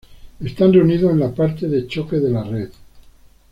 Están reunidos en la parte de choque de la red.